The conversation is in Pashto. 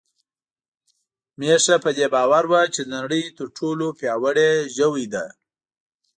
میښه په دې باور وه چې د نړۍ تر ټولو پياوړې ژوی ده.